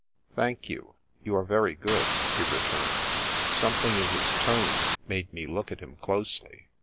" Thank you. You are very good," he returned. Something in his tone made me look at him closely.